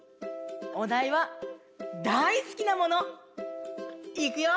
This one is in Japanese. おだいは「だいすきなもの」。いくよ！